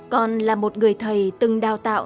còn là một người thầy từng đào tạo